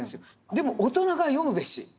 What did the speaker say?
でも大人が読むべし。